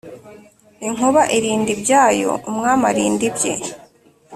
inkuba irinda ibyayo umwami arinda ibye